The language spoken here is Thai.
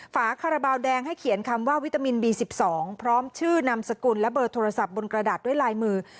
ฝาคาราบาลแดงให้เขียนคำว่าวิตามินบี๑๒พร้อมชื่อนามสกุลและเบอร์โทรศัพท์บนกระดาษด้วยลายมือ